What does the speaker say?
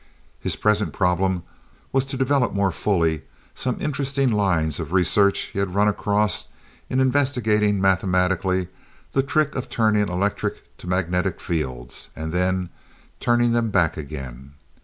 His present problem was to develop more fully some interesting lines of research he had run across in investigating mathematically the trick of turning electric to magnetic fields and then turning them back again.